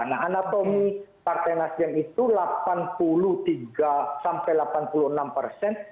nah anatomi partai nasdem itu delapan puluh tiga sampai delapan puluh enam persen